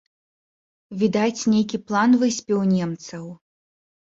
Відаць, нейкі план выспеў у немцаў.